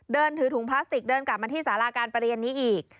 เดินถือถุงพลาสติกเดินกลับมาที่สาราการประเรียนนี้อีก